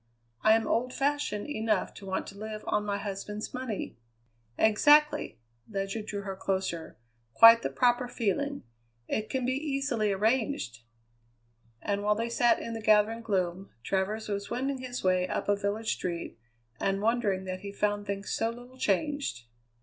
I am old fashioned enough to want to live on my husband's money." "Exactly!" Ledyard drew her closer; "quite the proper feeling. It can be easily arranged." And while they sat in the gathering gloom, Travers was wending his way up a village street, and wondering that he found things so little changed.